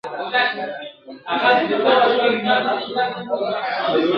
¬ له باران نه پاڅېد، تر ناوې لاندي کښېناست.